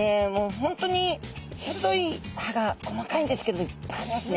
本当に鋭い歯が細かいんですけどいっぱいありますね。